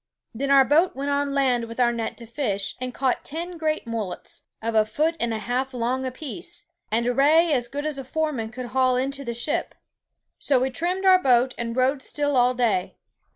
Then our boat went on land with our net to fish, and caught ten great mullets, of a foot and a half long apeece, and a ray as great as foure men could hale into the ship. So we trimmed our boat, and rode still all day.